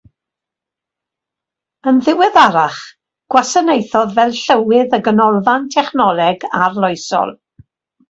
Yn ddiweddarach gwasanaethodd fel Llywydd y Ganolfan Technoleg Arloesol.